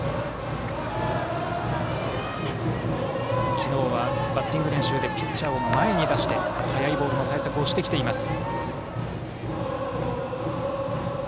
昨日はバッティング練習でピッチャーを前に出して速いボールの対策をしてきています。